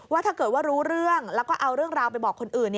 ถ้าเกิดว่ารู้เรื่องแล้วก็เอาเรื่องราวไปบอกคนอื่น